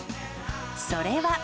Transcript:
それは。